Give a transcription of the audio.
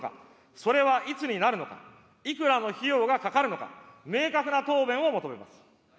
それはいつになるのか、いくらの費用がかかるのか、明確な答弁を求めます。